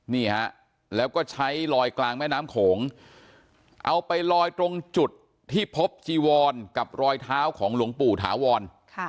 นี่ฮะแล้วก็ใช้ลอยกลางแม่น้ำโขงเอาไปลอยตรงจุดที่พบจีวรกับรอยเท้าของหลวงปู่ถาวร